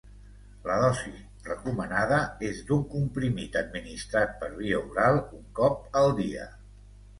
La dosis recomanada és d'un comprimit administrat per via oral un cop al dia.